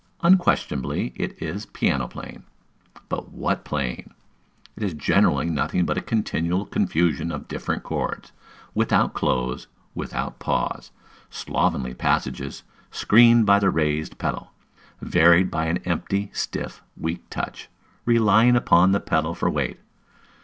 Unquestionably it is piano playing; but what playing! It is generally nothing but a continual confusion of different chords, without close, without pause; slovenly passages, screened by the raised pedal; varied by an empty, stiff, weak touch, relying upon the pedal for weight.